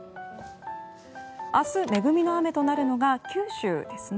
明日、恵みの雨となるのが九州ですね。